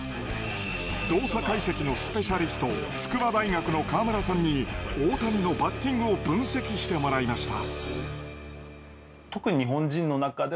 動作解析のスペシャリスト筑波大学の川村さんに大谷のバッティングを分析してもらいました。